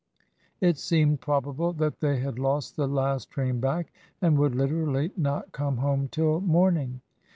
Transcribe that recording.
It seemed probable that they had lost the last train back, and would literally "not come home till morning."